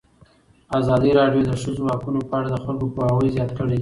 ازادي راډیو د د ښځو حقونه په اړه د خلکو پوهاوی زیات کړی.